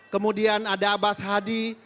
kemudian ada abas hadi